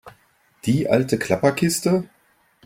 Die alte Klapperkiste?